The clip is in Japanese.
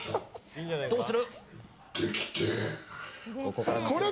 どうする？